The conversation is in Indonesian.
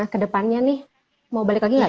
kedepannya nih mau balik lagi nggak